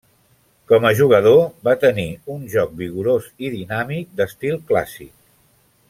Com a jugador, va tenir un joc vigorós i dinàmic d'estil clàssic.